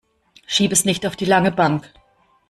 Schieb es nicht auf die lange Bank.